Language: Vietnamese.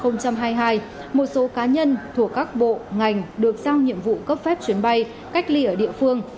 năm hai nghìn hai mươi hai một số cá nhân thuộc các bộ ngành được giao nhiệm vụ cấp phép chuyến bay cách ly ở địa phương